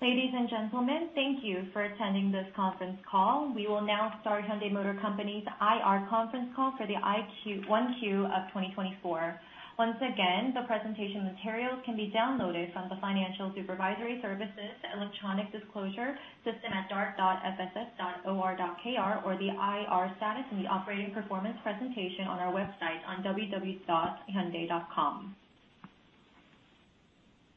Ladies and gentlemen, thank you for attending this conference call. We will now start Hyundai Motor Company's IR conference call for the 1Q of 2024. Once again, the presentation materials can be downloaded from the Financial Supervisory Services Electronic Disclosure System at dart.fss.or.kr or the IR status and the operating performance presentation on our website on www.hyundai.com.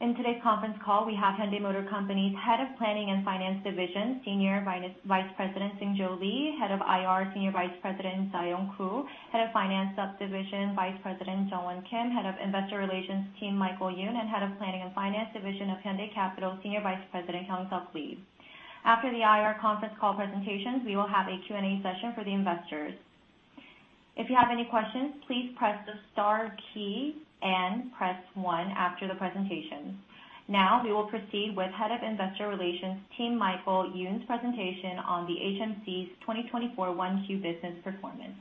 In today's conference call, we have Hyundai Motor Company's Head of Planning and Finance Division, Senior Vice President Seung Jo Lee, Head of IR, Senior Vice President Zayong Koo, Head of Finance Subdivision, Vice President Jae Hwan Kim, Head of Investor Relations Team, Michael Yun, and Head of Planning and Finance Division of Hyundai Capital, Senior Vice President Heungseok Lee. After the IR conference call presentations, we will have a Q&A session for the investors. If you have any questions, please press the star key and press 1 after the presentation. Now we will proceed with Head of Investor Relations Team, Michael Yun's presentation on the HMC's 2024 Q1 business performance.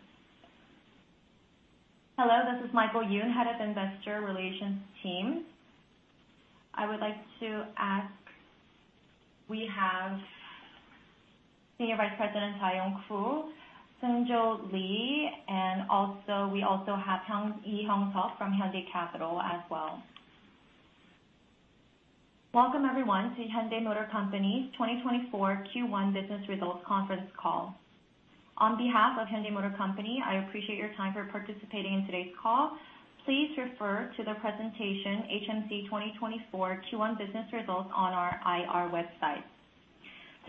Hello, this is Michael Yun, Head of Investor Relations Team. I would like to ask we have Senior Vice President Zayong Koo, Seung Jo Lee, and also we also have Heungseok Lee from Hyundai Capital as well. Welcome, everyone, to Hyundai Motor Company's 2024 Q1 Business Results Conference call. On behalf of Hyundai Motor Company, I appreciate your time for participating in today's call. Please refer to the presentation HMC 2024 Q1 Business Results on our IR website.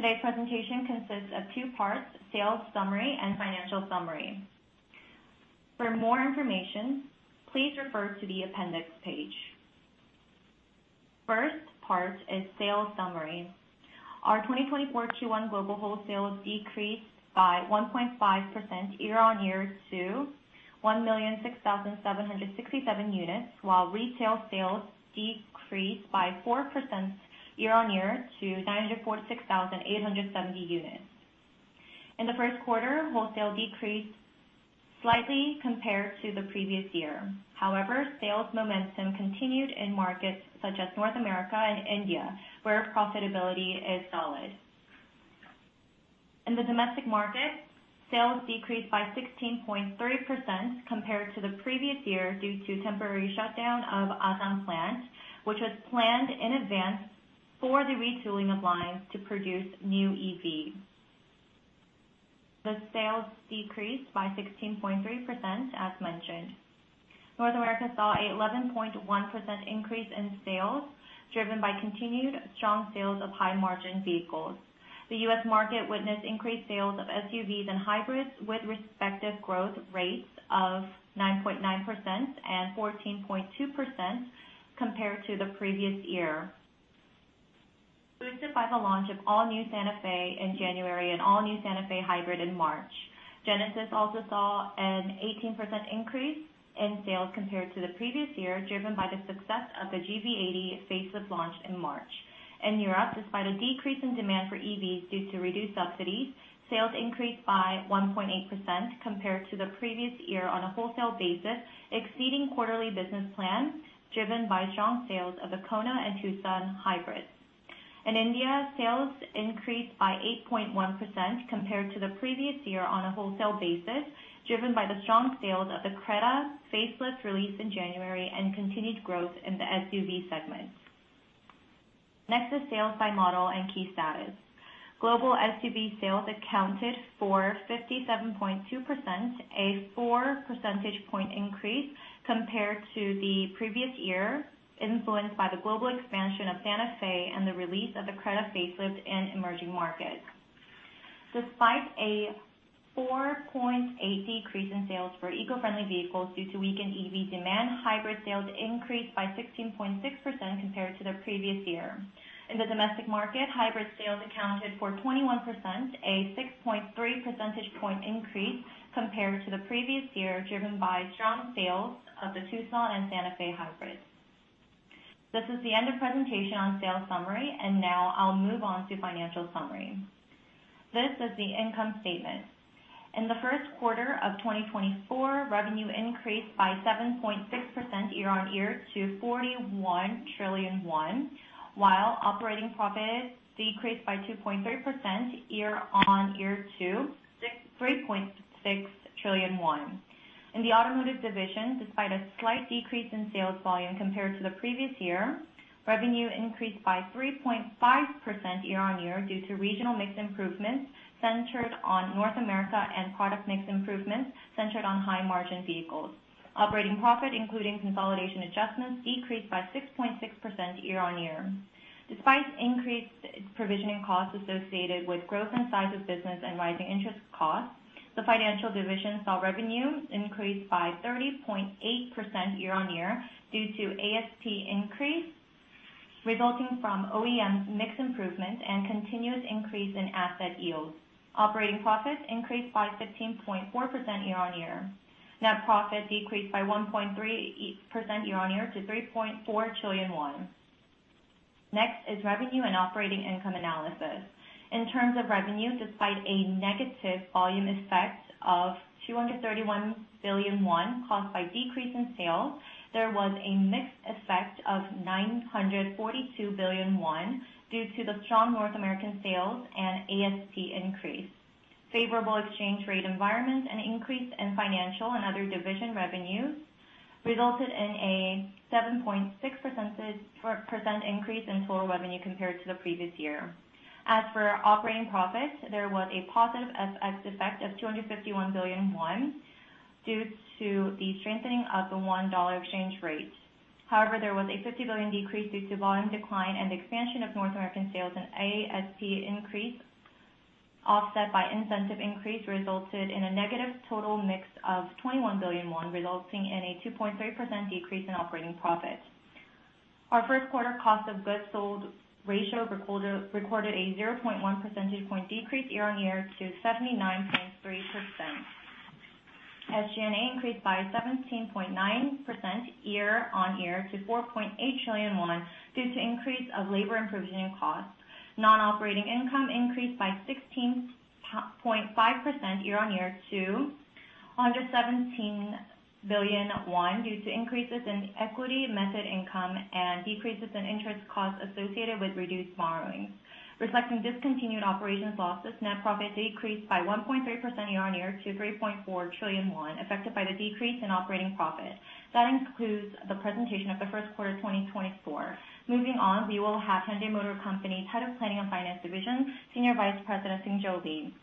Today's presentation consists of two parts: sales summary and financial summary. For more information, please refer to the appendix page. First part is sales summary. Our 2024 Q1 global wholesale decreased by 1.5% year-over-year to 1,006,767 units, while retail sales decreased by 4% year-over-year to 946,870 units. In the Q1, wholesale decreased slightly compared to the previous year. However, sales momentum continued in markets such as North America and India, where profitability is solid. In the domestic markets, sales decreased by 16.3% compared to the previous year due to temporary shutdown of Asan plant, which was planned in advance for the retooling of lines to produce new EVs. The sales decreased by 16.3%, as mentioned. North America saw an 11.1% increase in sales driven by continued strong sales of high-margin vehicles. The US market witnessed increased sales of SUVs and hybrids with respective growth rates of 9.9% and 14.2% compared to the previous year, boosted by the launch of all-new Santa Fe in January and all-new Santa Fe Hybrid in March. Genesis also saw an 18% increase in sales compared to the previous year driven by the success of the GV80 facelift launched in March. In Europe, despite a decrease in demand for EVs due to reduced subsidies, sales increased by 1.8% compared to the previous year on a wholesale basis, exceeding quarterly business plan driven by strong sales of the Kona and Tucson hybrids. In India, sales increased by 8.1% compared to the previous year on a wholesale basis, driven by the strong sales of the Creta facelift released in January and continued growth in the SUV segment. Next is sales by model and key status. Global SUV sales accounted for 57.2%, a 4 percentage point increase compared to the previous year, influenced by the global expansion of Santa Fe and the release of the Creta facelift in emerging markets. Despite a 4.8% decrease in sales for eco-friendly vehicles due to weakened EV demand, hybrid sales increased by 16.6% compared to the previous year. In the domestic market, hybrid sales accounted for 21%, a 6.3 percentage point increase compared to the previous year driven by strong sales of the Tucson and Santa Fe hybrids. This is the end of presentation on sales summary, and now I'll move on to financial summary. This is the income statement. In the Q1 of 2024, revenue increased by 7.6% year-on-year to KRW 41 trillion, while operating profit decreased by 2.3% year-on-year to 3.6 trillion won. In the automotive division, despite a slight decrease in sales volume compared to the previous year, revenue increased by 3.5% year-on-year due to regional mix improvements centered on North America and product mix improvements centered on high-margin vehicles. Operating profit, including consolidation adjustments, decreased by 6.6% year-on-year. Despite increased provisioning costs associated with growth in size of business and rising interest costs, the financial division saw revenue increase by 30.8% year-on-year due to ASP increase resulting from OEM mix improvement and continuous increase in asset yield. Operating profit increased by 15.4% year-on-year. Net profit decreased by 1.3% year-on-year to 3.4 trillion won. Next is revenue and operating income analysis. In terms of revenue, despite a negative volume effect of 231 billion won caused by decrease in sales, there was a mixed effect of 942 billion won due to the strong North American sales and ASP increase. Favorable exchange rate environment and increase in financial and other division revenues resulted in a 7.6% increase in total revenue compared to the previous year. As for operating profit, there was a positive FX effect of 251 billion won due to the strengthening of the $1 exchange rate. However, there was a 50 billion decrease due to volume decline and expansion of North American sales and ASP increase offset by incentive increase resulted in a negative total mix of 21 billion won, resulting in a 2.3% decrease in operating profit. Our Q1 cost of goods sold ratio recorded a 0.1 percentage point decrease year-on-year to 79.3%. SG&A increased by 17.9% year-on-year to 4.8 trillion won due to increase of labor and provisioning costs. Non-operating income increased by 16.5% year-on-year to under 17 billion won due to increases in equity method income and decreases in interest costs associated with reduced borrowing. Reflecting discontinued operations losses, net profit decreased by 1.3% year-on-year to 3.4 trillion won, affected by the decrease in operating profit. That includes the presentation of the Q1 2024. Moving on, we will have Hyundai Motor Company's Head of Planning and Finance Division, Senior Vice President Seung Jo Lee.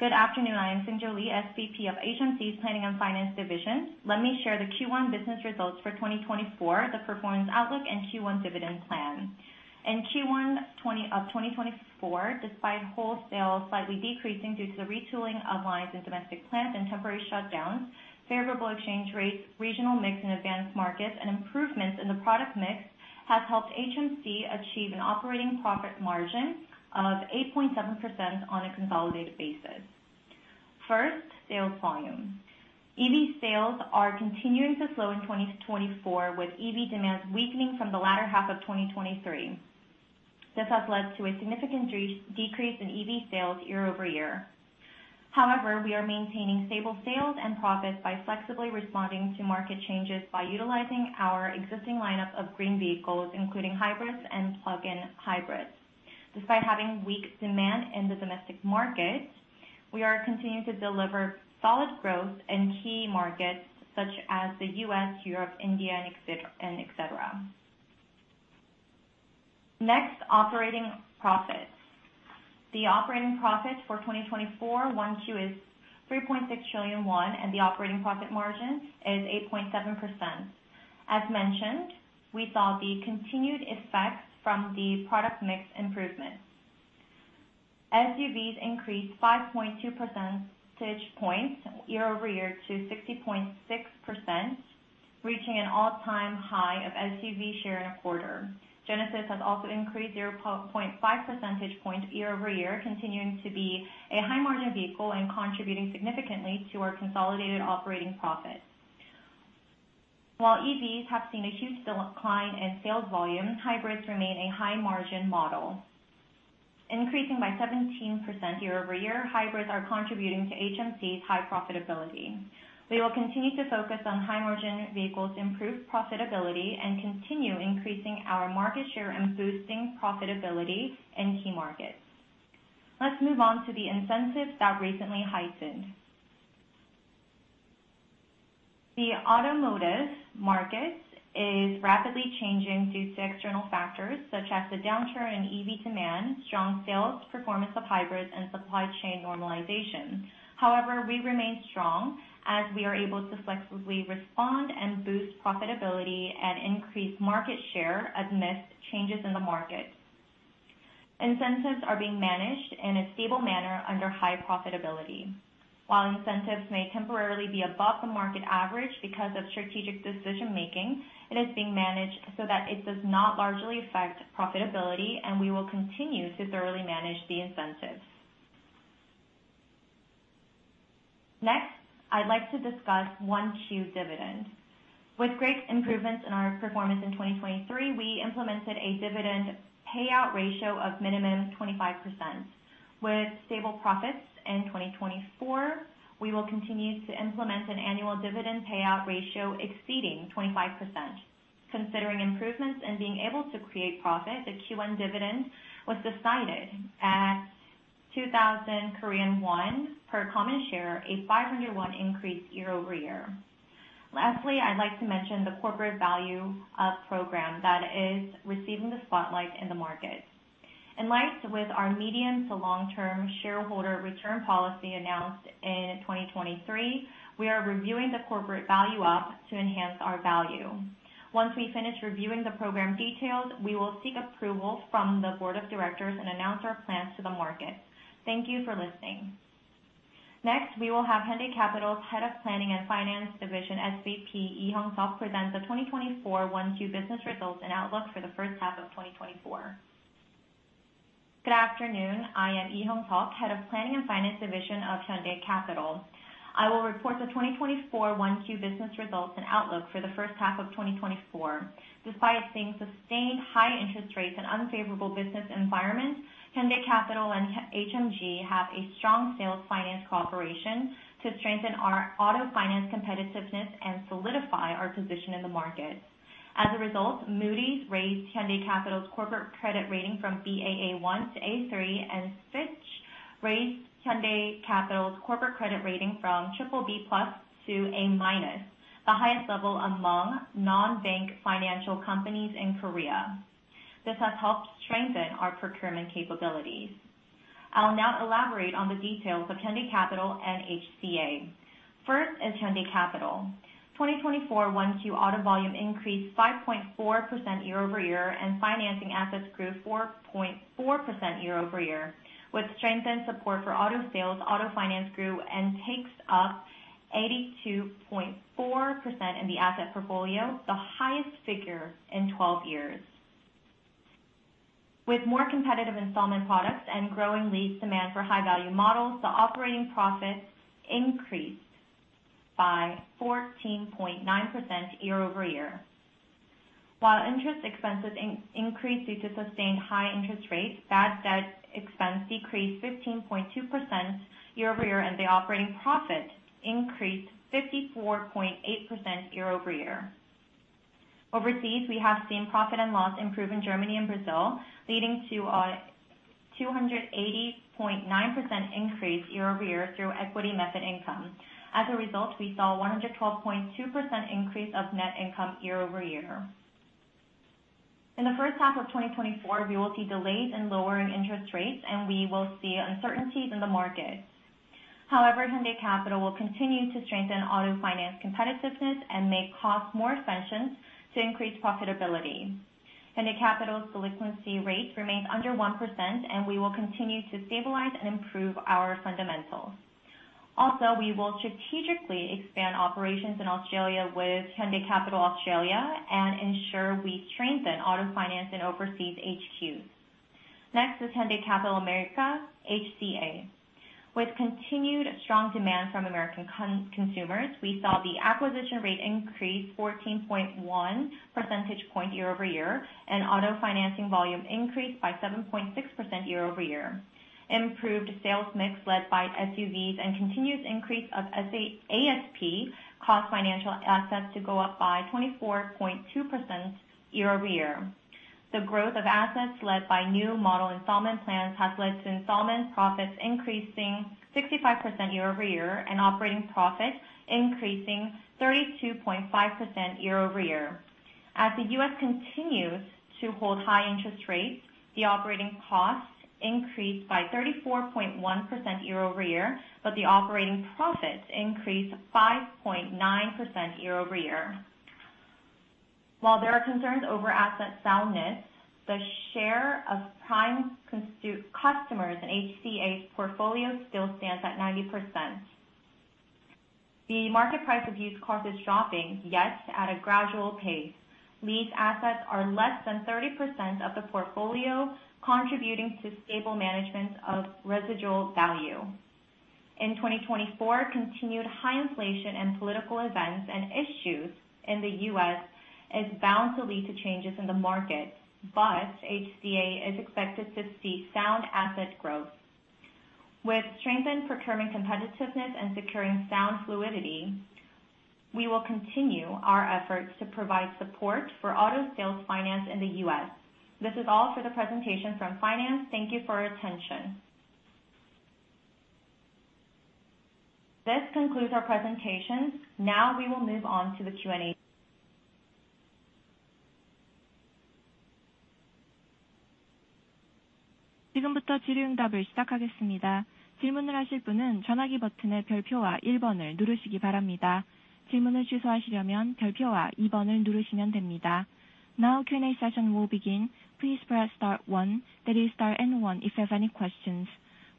Good afternoon. I am Seung Jo Lee, SVP of HMC's Planning and Finance Division. Let me share the Q1 business results for 2024, the performance outlook, and Q1 dividend plan. In Q1 of 2024, despite wholesale slightly decreasing due to the retooling of lines in domestic plants and temporary shutdowns, favorable exchange rates, regional mix in advanced markets, and improvements in the product mix have helped HMC achieve an operating profit margin of 8.7% on a consolidated basis. First, sales volume. EV sales are continuing to slow in 2024 with EV demands weakening from the latter half of 2023. This has led to a significant decrease in EV sales year-over-year. However, we are maintaining stable sales and profits by flexibly responding to market changes by utilizing our existing lineup of green vehicles, including hybrids and plug-in hybrids. Despite having weak demand in the domestic markets, we are continuing to deliver solid growth in key markets such as the U.S., Europe, India, etc. Next, operating profits. The operating profits for 2024 1Q is 3.6 trillion won, and the operating profit margin is 8.7%. As mentioned, we saw the continued effects from the product mix improvement. SUVs increased 5.2 percentage points year-over-year to 60.6%, reaching an all-time high of SUV share in a quarter. Genesis has also increased 0.5 percentage point year-over-year, continuing to be a high-margin vehicle and contributing significantly to our consolidated operating profit. While EVs have seen a huge decline in sales volume, hybrids remain a high-margin model. Increasing by 17% year-over-year, hybrids are contributing to HMC's high profitability. We will continue to focus on high-margin vehicles' improved profitability and continue increasing our market share and boosting profitability in key markets. Let's move on to the incentives that recently heightened. The automotive market is rapidly changing due to external factors such as the downturn in EV demand, strong sales performance of hybrids, and supply chain normalization. However, we remain strong as we are able to flexibly respond and boost profitability and increase market share amidst changes in the market. Incentives are being managed in a stable manner under high profitability. While incentives may temporarily be above the market average because of strategic decision-making, it is being managed so that it does not largely affect profitability, and we will continue to thoroughly manage the incentives. Next, I'd like to discuss 1Q dividend. With great improvements in our performance in 2023, we implemented a dividend payout ratio of minimum 25%. With stable profits in 2024, we will continue to implement an annual dividend payout ratio exceeding 25%. Considering improvements and being able to create profit, the Q1 dividend was decided at 2,000 Korean won per common share, a 500 won increase year-over-year. Lastly, I'd like to mention the corporate Value-Up Program that is receiving the spotlight in the market. In line with our medium to long-term shareholder return policy announced in 2023, we are reviewing the corporate Value-Up Program to enhance our value. Once we finish reviewing the program details, we will seek approval from the board of directors and announce our plans to the market. Thank you for listening. Next, we will have Hyundai Capital's Head of Planning and Finance Division, SVP Heungseok Lee, present the 2024 1Q business results and outlook for the first half of 2024. Good afternoon. I am Heungseok Lee, Head of Planning and Finance Division of Hyundai Capital. I will report the 2024 1Q business results and outlook for the first half of 2024. Despite seeing sustained high interest rates and unfavorable business environments, Hyundai Capital and HMG have a strong sales-finance cooperation to strengthen our auto finance competitiveness and solidify our position in the market. As a result, Moody's raised Hyundai Capital's corporate credit rating from Baa1 to A3, and Fitch raised Hyundai Capital's corporate credit rating from BBB+ to A-, the highest level among non-bank financial companies in Korea. This has helped strengthen our procurement capabilities. I'll now elaborate on the details of Hyundai Capital and HCA. First is Hyundai Capital. 2024 1Q auto volume increased 5.4% year-over-year, and financing assets grew 4.4% year-over-year. With strengthened support for auto sales, auto finance grew and takes up 82.4% in the asset portfolio, the highest figure in 12 years. With more competitive installment products and growing lease demand for high-value models, the operating profits increased by 14.9% year-over-year. While interest expenses increased due to sustained high interest rates, bad debt expense decreased 15.2% year-over-year, and the operating profit increased 54.8% year-over-year. Overseas, we have seen profit and loss improve in Germany and Brazil, leading to a 280.9% increase year-over-year through equity method income. As a result, we saw a 112.2% increase of net income year-over-year. In the first half of 2024, we will see delays in lowering interest rates, and we will see uncertainties in the market. However, Hyundai Capital will continue to strengthen auto finance competitiveness and make costs more efficient to increase profitability. Hyundai Capital's delinquency rate remains under 1%, and we will continue to stabilize and improve our fundamentals. Also, we will strategically expand operations in Australia with Hyundai Capital Australia and ensure we strengthen auto finance and overseas HQs. Next is Hyundai Capital America, HCA. With continued strong demand from American consumers, we saw the acquisition rate increase 14.1 percentage points year-over-year, and auto financing volume increase by 7.6% year-over-year. Improved sales mix led by SUVs and continuous increase of ASP caused financial assets to go up by 24.2% year-over-year. The growth of assets led by new model installment plans has led to installment profits increasing 65% year-over-year and operating profit increasing 32.5% year-over-year. As the U.S. continues to hold high interest rates, the operating costs increased by 34.1% year-over-year, but the operating profits increased 5.9% year-over-year. While there are concerns over asset soundness, the share of prime customers in HCA's portfolio still stands at 90%. The market price of used cars is dropping, yet at a gradual pace. Leased assets are less than 30% of the portfolio, contributing to stable management of residual value. In 2024, continued high inflation and political events and issues in the US is bound to lead to changes in the market, but HCA is expected to see sound asset growth. With strengthened procurement competitiveness and securing sound fluidity, we will continue our efforts to provide support for auto sales finance in the US. This is all for the presentation from finance. Thank you for attention. This concludes our presentation. Now we will move on to the Q&A. 지금부터 질의응답을 시작하겠습니다. 질문을 하실 분은 전화기 버튼의 별표와 1번을 누르시기 바랍니다. 질문을 취소하시려면 별표와 2번을 누르시면 됩니다. Now Q&A session will begin. Please press star 1, that is star one, if you have any questions.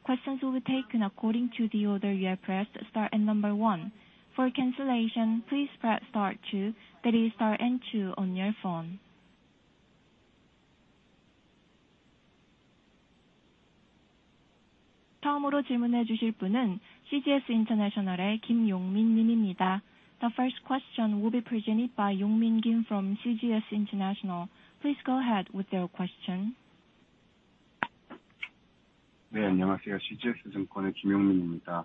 Questions will be taken according to the order you have pressed star one. For cancellation, please press star 2, that is star 2, on your phone. 처음으로 질문해 주실 분은 CGS International의 김용민 님입니다. The first question will be presented by Yongmin Kim from CGS International. Please go ahead with your question. 네, 안녕하세요. CGS 증권의 김용민입니다.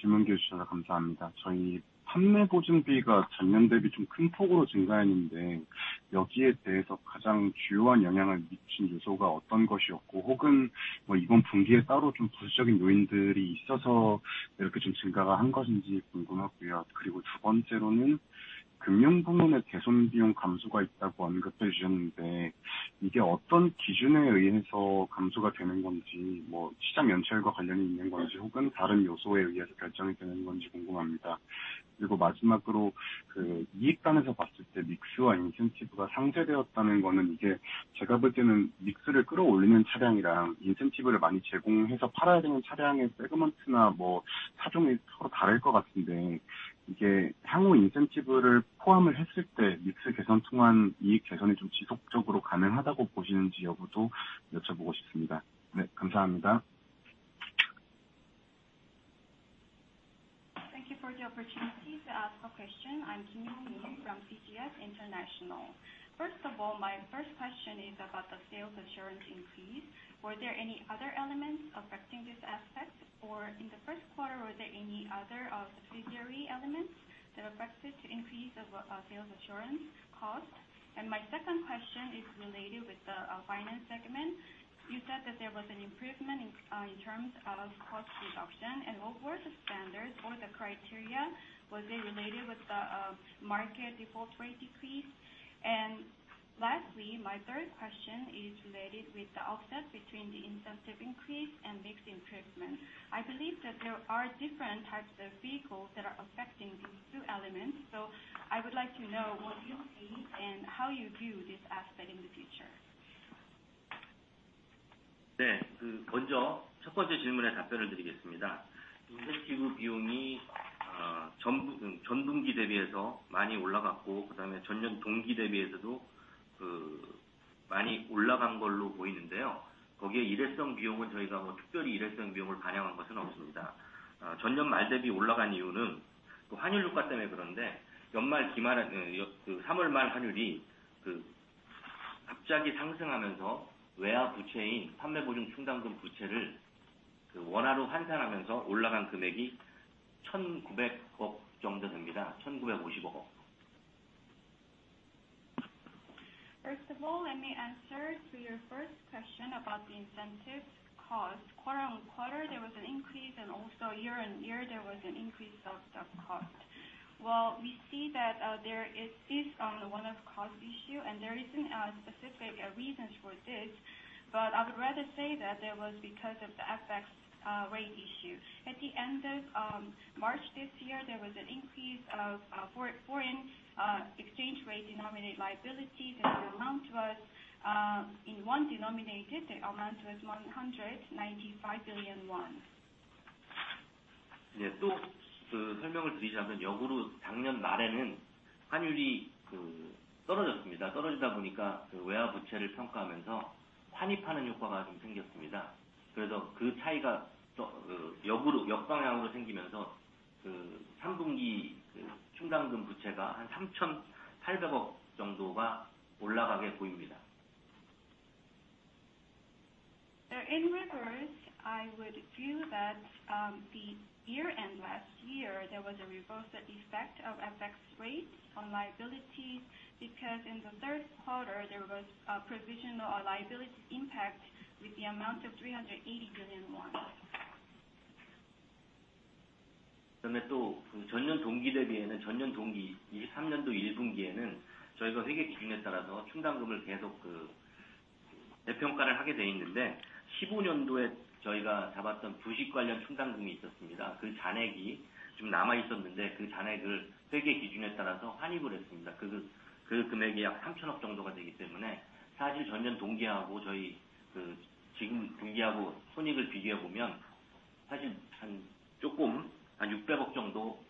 질문 주셔서 감사합니다. 저희 판매 보증비가 전년 대비 좀큰 폭으로 증가했는데, 여기에 대해서 가장 주요한 영향을 미친 요소가 어떤 것이었고, 혹은 이번 분기에 따로 좀 부수적인 요인들이 있어서 이렇게 좀 증가가 한 것인지 궁금하고요. 그리고 두 번째로는 금융 부문의 대손 비용 감소가 있다고 언급해 주셨는데, 이게 어떤 기준에 의해서 감소가 되는 건지, 시장 연체율과 관련이 있는 건지, 혹은 다른 요소에 의해서 결정이 되는 건지 궁금합니다. 그리고 마지막으로 이익 단에서 봤을 때 믹스와 인센티브가 상쇄되었다는 거는, 이게 제가 볼 때는 믹스를 끌어올리는 차량이랑 인센티브를 많이 제공해서 팔아야 되는 차량의 세그먼트나 차종이 서로 다를 것 같은데, 이게 향후 인센티브를 포함을 했을 때 믹스 개선 통한 이익 개선이 좀 지속적으로 가능하다고 보시는지 여부도 여쭤보고 싶습니다. 감사합니다. Thank you for the opportunity to ask a question. I'm Yongmin Kim from CGS International. First of all, my first question is about the sales assurance increase. Were there any other elements affecting this aspect, or in the Q1, were there any other subsidiary elements that affected the increase of sales assurance cost? My second question is related with the finance segment. You said that there was an improvement in terms of cost reduction, and what were the standards or the criteria? Was it related with the market default rate decrease? Lastly, my third question is related with the offset between the incentive increase and mix improvement. I believe that there are different types of vehicles that are affecting these two elements, so I would like to know what you see and how you view this aspect in the future. 네, 먼저 첫 번째 질문에 답변을 드리겠습니다. 인센티브 비용이 전 분기 대비해서 많이 올라갔고, 그다음에 전년 동기 대비해서도 많이 올라간 걸로 보이는데요. 거기에 일회성 비용은 저희가 특별히 일회성 비용을 반영한 것은 없습니다. 전년 말 대비 올라간 이유는 환율 효과 때문에 그런데, 연말 기말 3월 말 환율이 갑자기 상승하면서 외화 부채인 판매 보증 충당금 부채를 원화로 환산하면서 올라간 금액이 1,900억 정도 됩니다. 1,950억 원. First of all, let me answer to your first question about the incentive cost. Quarter-on-quarter, there was an increase, and also year-on-year, there was an increase of the cost. Well, we see that there is one of cost issue, and there isn't specific reasons for this, but I would rather say that it was because of the FX rate issue. At the end of March this year, there was an increase of foreign exchange rate denominated liabilities, and the amount was in won denominated, the amount was 195 billion won. 또 설명을 드리자면, 역으로 작년 말에는 환율이 떨어졌습니다. 떨어지다 보니까 외화 부채를 평가하면서 환입하는 효과가 좀 생겼습니다. 그래서 그 차이가 역방향으로 생기면서 3분기 충당금 부채가 한 380 billion 정도가 올라가게 보입니다. In reverse, I would view that the year-end last year, there was a reverse effect of FX rates on liabilities because in the Q3, there was a provision liability impact with the amount of 380 billion won. 그다음에 또 전년 동기 대비에는 전년 동기 2023년도 1분기에는 저희가 회계 기준에 따라서 충당금을 계속 재평가를 하게 돼 있는데, 2015년도에 저희가 잡았던 부식 관련 충당금이 있었습니다. 그 잔액이 좀 남아 있었는데, 그 잔액을 회계 기준에 따라서 환입을 했습니다. 그 금액이 약 300 billion 정도가 되기 때문에 사실 전년 동기하고 저희 지금 분기하고 손익을 비교해 보면 사실 한 조금, 한 60 billion 정도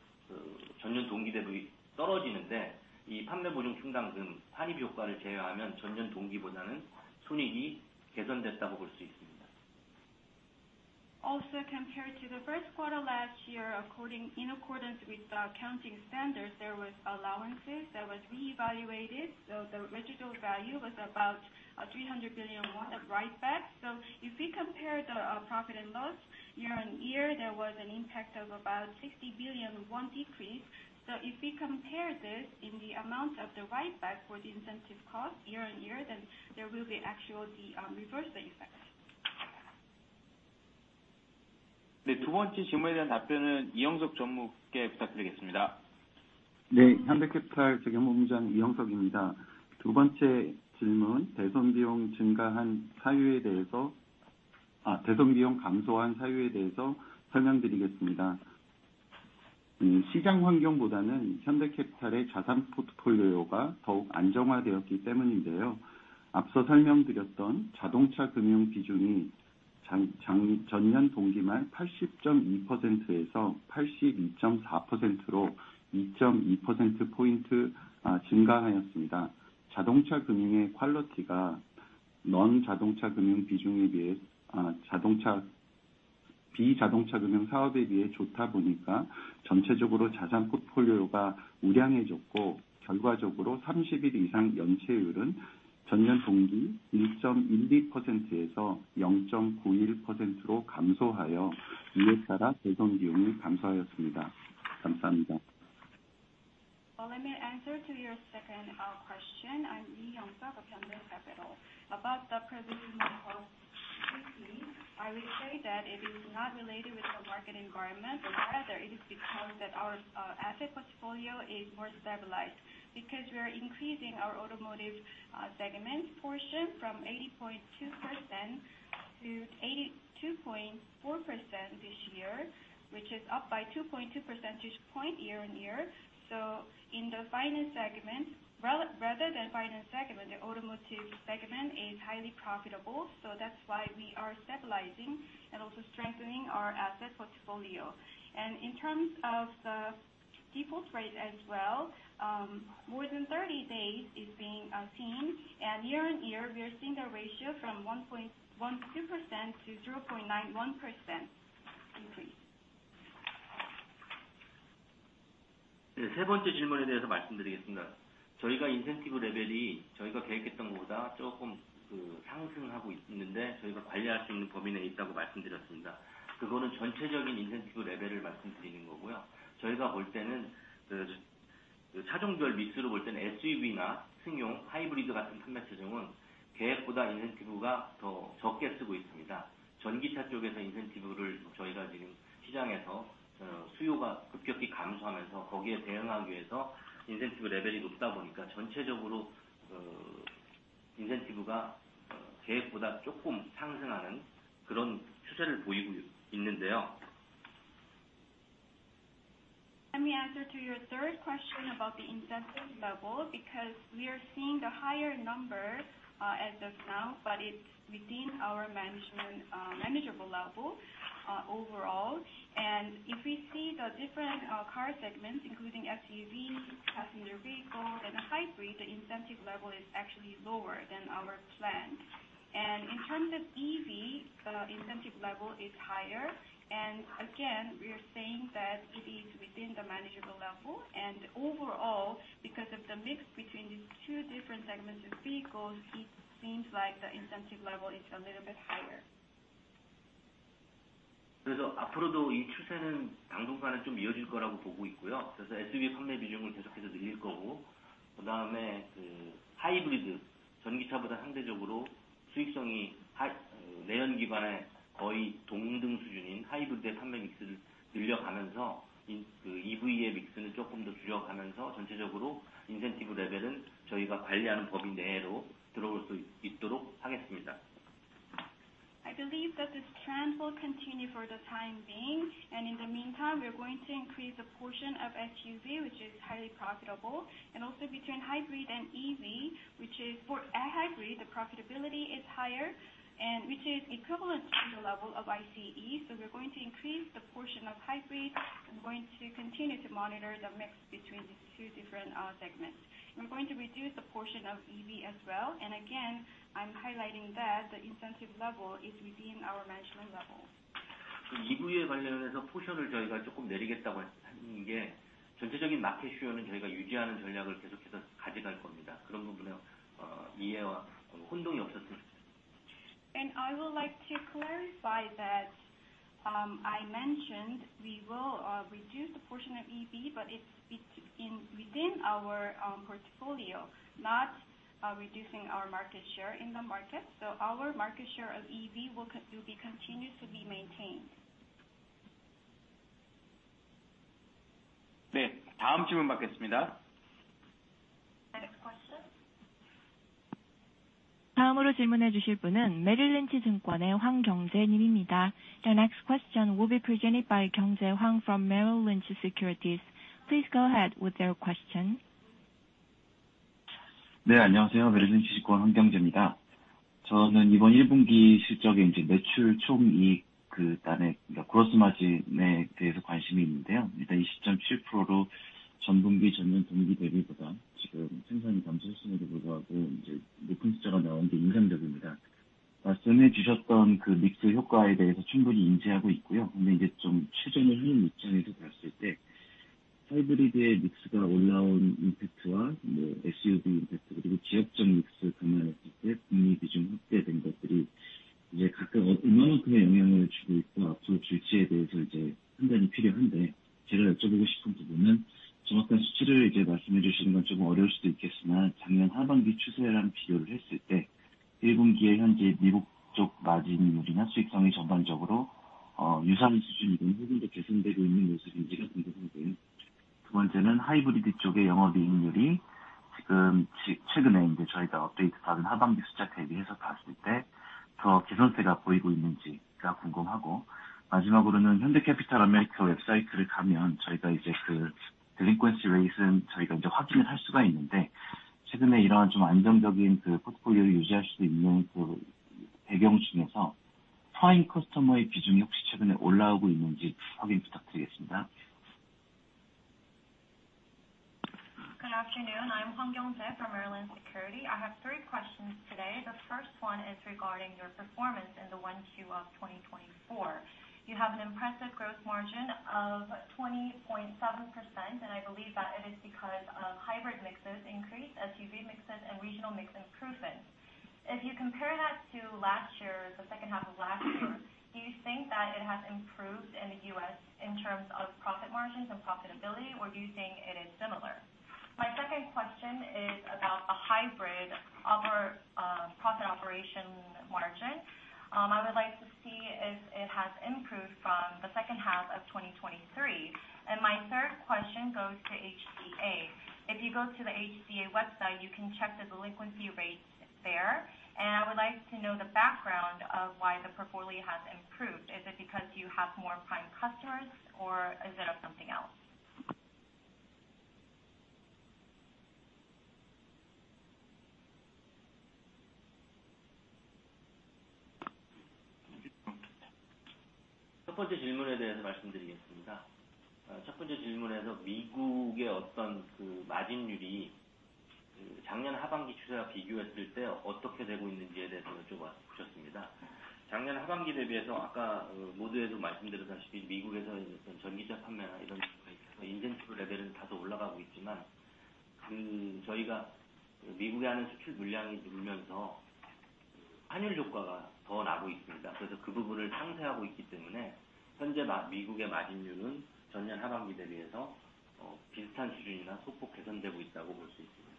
전년 동기 대비 떨어지는데, 이 판매 보증 충당금 환입 효과를 제외하면 전년 동기보다는 손익이 개선됐다고 볼수 있습니다. Also, compared to the Q1 last year, in accordance with the accounting standards, there were allowances that were reevaluated. So the residual value was about 300 billion won of writeback. So if we compare the profit and loss year-on-year, there was an impact of about 60 billion won decrease. So if we compare this in the amount of the writeback for the incentive cost year-on-year, then there will be actually the reverse effect. 두 번째 질문에 대한 답변은 이형석 전무께 부탁드리겠습니다. 네, 현대캐피탈 재경무부장 이형석입니다. 두 번째 질문, 대손 비용 증가한 사유에 대해서 대손 비용 감소한 사유에 대해서 설명드리겠습니다. 시장 환경보다는 현대캐피탈의 자산 포트폴리오가 더욱 안정화되었기 때문인데요. 앞서 설명드렸던 자동차 금융 비중이 전년 동기 말 80.2%에서 82.4%로 2.2% 포인트 증가하였습니다. 자동차 금융의 퀄리티가 non 자동차 금융 비중에 비해 자동차 비자동차 금융 사업에 비해 좋다 보니까 전체적으로 자산 포트폴리오가 우량해졌고, 결과적으로 30일 이상 연체율은 전년 동기 1.12%에서 0.91%로 감소하여 이에 따라 대손 비용이 감소하였습니다. 감사합니다. Let me answer to your second question. I'm Heungseok Lee, Hyundai Capital. About the provisioning cost increase, I would say that it is not related with the market environment, but rather it is because that our asset portfolio is more stabilized because we are increasing our automotive segment portion from 80.2%-82.4% this year, which is up by 2.2 percentage point year-on-year. So in the finance segment, rather than finance segment, the automotive segment is highly profitable. So that's why we are stabilizing and also strengthening our asset portfolio. And in terms of the default rate as well, more than 30 days is being seen, and year-on-year, we are seeing the ratio from 1.2%-0.91% increase. 세 번째 질문에 대해서 말씀드리겠습니다. 저희가 인센티브 레벨이 저희가 계획했던 것보다 조금 상승하고 있는데, 저희가 관리할 수 있는 범위 내에 있다고 말씀드렸습니다. 그거는 전체적인 인센티브 레벨을 말씀드리는 거고요. 저희가 볼 때는 차종별 믹스로 볼 때는 SUV나 승용, 하이브리드 같은 판매 차종은 계획보다 인센티브가 더 적게 쓰고 있습니다. 전기차 쪽에서 인센티브를 저희가 지금 시장에서 수요가 급격히 감소하면서 거기에 대응하기 위해서 인센티브 레벨이 높다 보니까 전체적으로 인센티브가 계획보다 조금 상승하는 그런 추세를 보이고 있는데요. Let me answer to your third question about the incentive level because we are seeing the higher number as of now, but it's within our manageable level overall. If we see the different car segments, including SUV, passenger vehicles, and hybrid, the incentive level is actually lower than our plan. In terms of EV, the incentive level is higher. Again, we are saying that it is within the manageable level. Overall, because of the mix between these two different segments of vehicles, it seems like the incentive level is a little bit higher. 그래서 앞으로도 이 추세는 당분간은 좀 이어질 거라고 보고 있고요. 그래서 SUV 판매 비중을 계속해서 늘릴 거고, 그다음에 하이브리드, 전기차보다 상대적으로 수익성이 내연기관의 거의 동등 수준인 하이브리드의 판매 믹스를 늘려가면서 EV의 믹스는 조금 더 줄여가면서 전체적으로 인센티브 레벨은 저희가 관리하는 범위 내로 들어올 수 있도록 하겠습니다. I believe that this trend will continue for the time being. In the meantime, we're going to increase the portion of SUV, which is highly profitable, and also between hybrid and EV, which is for a hybrid, the profitability is higher, which is equivalent to the level of ICE. We're going to increase the portion of hybrid. I'm going to continue to monitor the mix between these two different segments. We're going to reduce the portion of EV as well. Again, I'm highlighting that the incentive level is within our management level. EV에 관련해서 portion을 저희가 조금 내리겠다고 한게 전체적인 market share는 저희가 유지하는 전략을 계속해서 가져갈 겁니다. 그런 부분에 이해와 혼동이 없었으면 좋겠습니다. I would like to clarify that I mentioned we will reduce the portion of EV, but it's within our portfolio, not reducing our market share in the market. So our market share of EV will be continued to be maintained. 네, 다음 질문 받겠습니다. Next question. 다음으로 질문해 주실 분은 메릴린치 증권의 황경재 님입니다. Your next question will be presented by Kyeongjae Hwang from Merrill Lynch Securities. Please go ahead with your question. 네, 안녕하세요. 메릴린치 증권 황경재입니다. 저는 이번 1분기 실적에 매출 총이익, 그다음에 그로스 마진에 대해서 관심이 있는데요. 일단 20.7%로 전 분기, 전년 동기 대비보다 지금 생산이 감소했음에도 불구하고 높은 숫자가 나온 게 인상적입니다. 말씀해 주셨던 믹스 효과에 대해서 충분히 인지하고 있고요. 그런데 이제 좀 최전위 흐름 입장에서 봤을 때 하이브리드의 믹스가 올라온 임팩트와 SUV 임팩트, 그리고 지역적 믹스 감안했을 때 북미 비중 확대된 것들이 이제 각각 얼마만큼의 영향을 주고 있고 앞으로 줄지에 대해서 이제 판단이 필요한데, 제가 여쭤보고 싶은 부분은 정확한 수치를 이제 말씀해 주시는 건 조금 어려울 수도 있겠으나 작년 하반기 추세랑 비교를 했을 때 1분기에 현재 미국 쪽 마진율이나 수익성이 전반적으로 유사한 수준이든 혹은 더 개선되고 있는 모습인지가 궁금하고요. 두 번째는 hybrid 쪽의 영업이익률이 지금 최근에 이제 저희가 update 받은 하반기 숫자 대비해서 봤을 때더 개선세가 보이고 있는지가 궁금하고, 마지막으로는 Hyundai Capital America website를 가면 저희가 이제 그 delinquency rate는 저희가 이제 확인을 할 수가 있는데, 최근에 이러한 좀 안정적인 portfolio를 유지할 수도 있는 배경 중에서 prime customer의 비중이 혹시 최근에 올라오고 있는지 확인 부탁드리겠습니다. Good afternoon. I'm Kyeongjae Hwang from Merrill Lynch Securities. I have three questions today. The first one is regarding your performance in the 1Q of 2024. You have an impressive gross margin of 20.7%, and I believe that it is because of hybrid mixes increase, SUV mixes, and regional mix improvement. If you compare that to last year, the second half of last year, do you think that it has improved in the US in terms of profit margins and profitability, or do you think it is similar? My second question is about the hybrid profit operation margin. I would like to see if it has improved from the second half of 2023. My third question goes to HCA. If you go to the HCA website, you can check the delinquency rates there. I would like to know the background of why the portfolio has improved. Is it because you have more prime customers, or is it something else? 첫 번째 질문에 대해서 말씀드리겠습니다. 첫 번째 질문에서 미국의 어떤 마진율이 작년 하반기 추세와 비교했을 때 어떻게 되고 있는지에 대해서 여쭤보셨습니다. 작년 하반기 대비해서 아까 모드에서 말씀드렸다시피 미국에서의 어떤 전기차 판매나 이런 쪽과 인센티브 레벨은 다소 올라가고 있지만, 저희가 미국에 하는 수출 물량이 늘면서 환율 효과가 더 나고 있습니다. 그래서 그 부분을 상쇄하고 있기 때문에 현재 미국의 마진율은 전년 하반기 대비해서 비슷한 수준이나 소폭 개선되고 있다고 볼수 있습니다.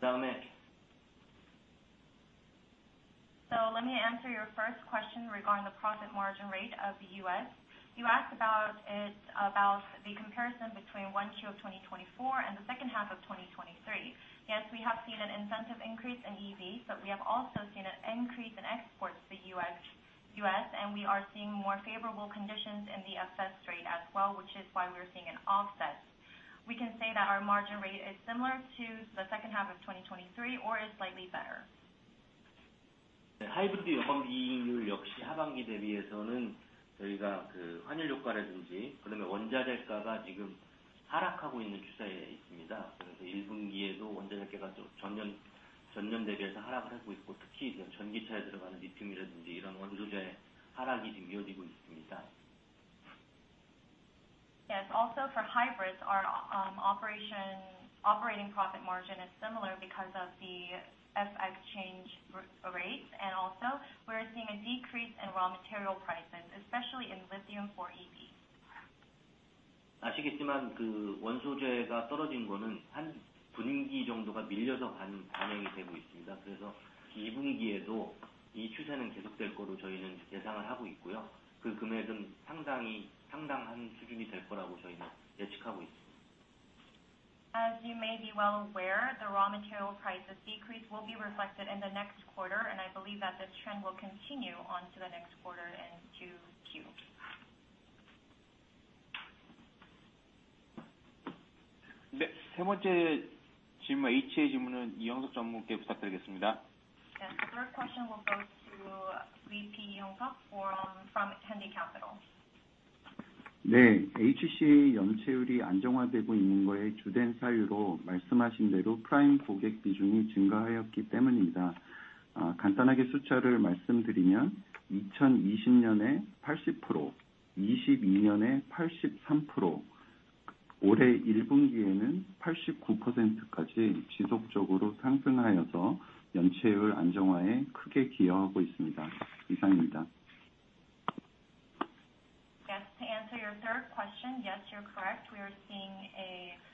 그다음에. Let me answer your first question regarding the profit margin rate of the U.S. You asked about the comparison between 1Q of 2024 and the second half of 2023. Yes, we have seen an incentive increase in EVs, but we have also seen an increase in exports to the U.S., and we are seeing more favorable conditions in the FX rate as well, which is why we are seeing an offset. We can say that our margin rate is similar to the second half of 2023 or is slightly better. 하이브리드의 허용 이익률 역시 하반기 대비해서는 저희가 환율 효과라든지, 그다음에 원자재가가 지금 하락하고 있는 추세에 있습니다. 그래서 1분기에도 원자재가가 전년 대비해서 하락을 하고 있고, 특히 전기차에 들어가는 리튬이라든지 이런 원소재 하락이 지금 이어지고 있습니다. Yes. Also, for hybrids, our operating profit margin is similar because of the FX exchange rates. And also, we are seeing a decrease in raw material prices, especially in lithium for EVs. 아시겠지만 원소재가 떨어진 거는 한 분기 정도가 밀려서 반영이 되고 있습니다. 그래서 2분기에도 이 추세는 계속될 거로 저희는 예상을 하고 있고요. 그 금액은 상당한 수준이 될 거라고 저희는 예측하고 있습니다. As you may be well aware, the raw material prices decrease will be reflected in the next quarter, and I believe that this trend will continue onto the next quarter and 2Q. 세 번째 질문, HCA 질문은 이형석 전무께 부탁드리겠습니다. Yes. The third question will go to VP Heungseok Lee from Hyundai Capital. 네, HCA 연체율이 안정화되고 있는 거의 주된 사유로 말씀하신 대로 프라임 고객 비중이 증가하였기 때문입니다. 간단하게 숫자를 말씀드리면 2020년에 80%, 2022년에 83%, 올해 1분기에는 89%까지 지속적으로 상승하여서 연체율 안정화에 크게 기여하고 있습니다. 이상입니다. Yes. To answer your third question, yes, you're correct. We are seeing a stable delinquency rate because of an increase of prime customers. If we look at the numbers, in 2020, we had 80% of prime customers. In 2022, 83%. And in the Q1 of 2024, we have reached 89%, which has contributed greatly to reducing and stabilizing our delinquency rate.